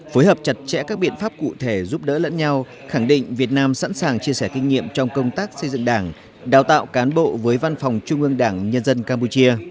phối hợp chặt chẽ các biện pháp cụ thể giúp đỡ lẫn nhau khẳng định việt nam sẵn sàng chia sẻ kinh nghiệm trong công tác xây dựng đảng đào tạo cán bộ với văn phòng trung ương đảng nhân dân campuchia